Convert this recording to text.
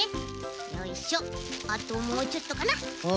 あともうちょっとかな。